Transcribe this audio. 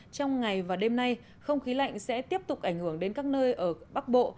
trong ngày và đêm nay không khí lạnh sẽ tiếp tục ảnh hưởng đến các nơi ở bắc bộ